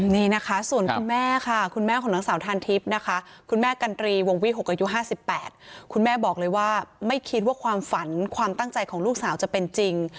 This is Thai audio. นี่นะคะส่วนคุณแม่ค่ะคุณแม่ของนางสาวทานทิพย์นะคะคุณแม่กันตรีวงวิหกอายุ๕๘คุณแม่บอกเลยว่าไม่คิดว่าความฝันความตั้งใจของลูกสาวจะเป็นจริง